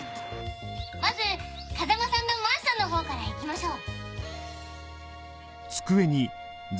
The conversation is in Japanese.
まず風間さんのマンションのほうから行きましょう。